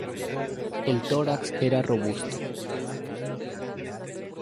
El tórax era robusto.